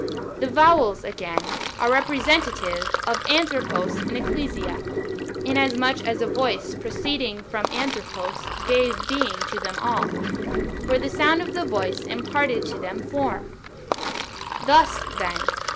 The vowels, again, are representative of Anthropos and Ecclesia, inasmuch as a voice proceeding from Anthropos gave being to them all ; for the sound of the voice imparted to them form. Thus, then.